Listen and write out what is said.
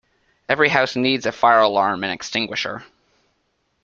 Every house needs a fire alarm and extinguisher.